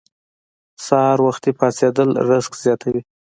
سحر وختي پاڅیدل رزق زیاتوي.